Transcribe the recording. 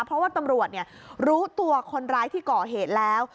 เพราะว่าตำรวจรู้ตัวคนร้ายที่ก่อเหตุแล้ว